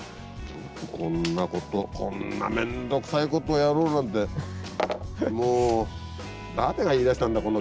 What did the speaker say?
こんなことこんな面倒くさいことやろうなんてもう誰が言いだしたんだこんな球をやろうなんて。